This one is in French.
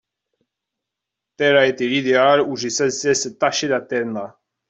Tel a été l'idéal où j'ai sans cesse tâché d'atteindre.